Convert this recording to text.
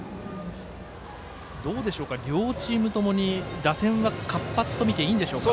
両チームともに打線は活発とみていいんでしょうか。